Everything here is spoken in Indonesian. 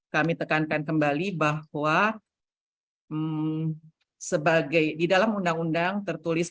kami tekankan kembali bahwa di dalam undang undang tertulis